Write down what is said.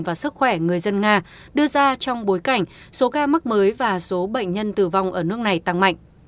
và sức khỏe người dân nga đưa ra trong bối cảnh số ca mắc mới và số bệnh nhân tử vong ở nước này tăng mạnh